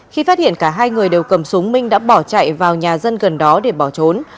khi phát hiện cả hai người đều cầm súng minh đã bỏ chạy vào nhà dân gần đó để bỏ trốn